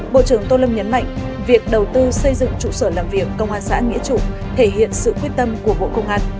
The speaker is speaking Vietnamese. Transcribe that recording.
bộ trưởng tô lâm nhấn mạnh việc đầu tư xây dựng trụ sở làm việc công an xã nghĩa trụ thể hiện sự quyết tâm của bộ công an